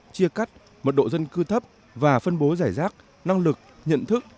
chia cắt mật độ dân cư thấp và phân bố giải rác năng lực nhận thức